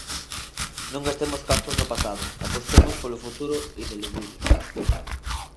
Non gastemos cartos no pasado, apostemos polo futuro ineludible.